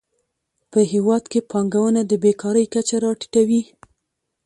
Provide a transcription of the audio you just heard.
په هیواد کې پانګونه د بېکارۍ کچه راټیټوي.